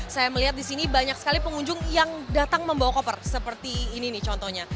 saya melihat di sini banyak sekali pengunjung yang datang membawa koper seperti ini nih contohnya